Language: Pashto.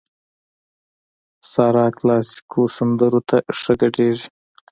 سارا کلاسيکو سندرو ته ښه ګډېږي.